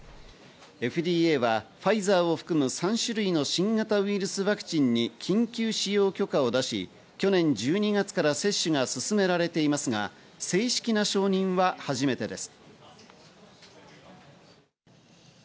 ＦＤＡはファイザーを含む３種類の新型ウイルスワクチンに緊急使用許可を出し、去年１２月から接種が進められていますが、正式な承認は初めてです。